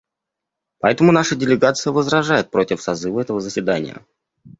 Поэтому наша делегация возражает против созыва этого заседания.